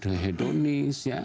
dalam kehidupan yang hedonis ya